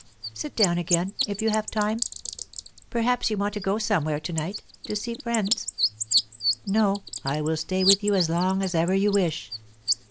Sit down again, if you have time. Perhaps you want to go somewhere to night to see friends?" "No. I will stay with you as long as ever you wish."